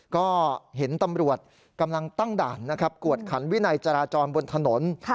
ก็เห็นตำรวจกำลังตั้งด่านนะครับกวดขันวินัยจราจรบนถนน